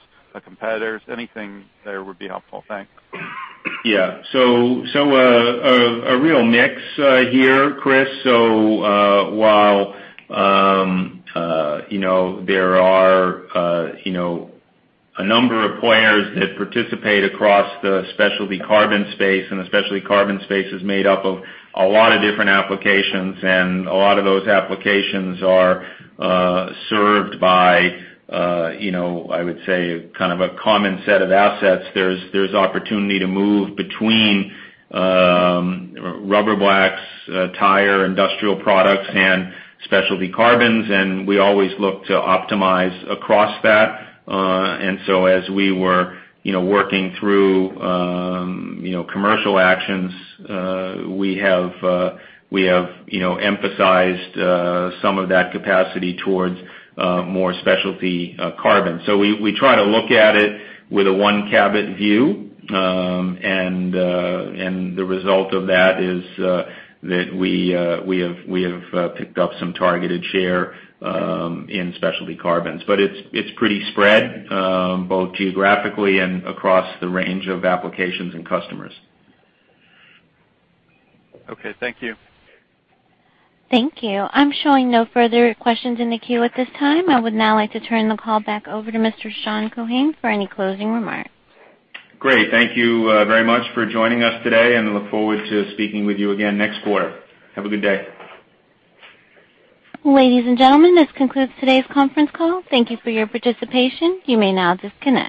competitors? Anything there would be helpful. Thanks. A real mix here, Chris. While there are a number of players that participate across the specialty carbon space, the specialty carbon space is made up of a lot of different applications, a lot of those applications are served by I would say, kind of a common set of assets. There's opportunity to move between rubber blacks, tire, industrial products, and Specialty Carbons, we always look to optimize across that. As we were working through commercial actions, we have emphasized some of that capacity towards more Specialty Carbons. We try to look at it with a one Cabot view. The result of that is that we have picked up some targeted share in Specialty Carbons. It's pretty spread both geographically and across the range of applications and customers. Okay. Thank you. Thank you. I'm showing no further questions in the queue at this time. I would now like to turn the call back over to Mr. Sean Keohane for any closing remarks. Great. Thank you very much for joining us today. I look forward to speaking with you again next quarter. Have a good day. Ladies and gentlemen, this concludes today's conference call. Thank you for your participation. You may now disconnect.